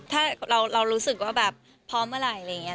ถ้าเรารู้สึกว่าแบบพร้อมเมื่อไหร่อะไรอย่างนี้